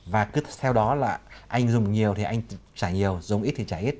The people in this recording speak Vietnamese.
và cứ sau đó là anh dùng nhiều thì anh trả nhiều dùng ít thì trả ít